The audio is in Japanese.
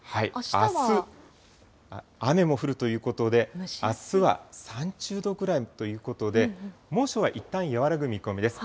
あす、雨も降るということで、あすは３０度ぐらいということで、猛暑はいったん和らぐ見込みです。